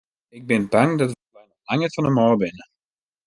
Ik bin bang dat wy noch lang net fan him ôf binne.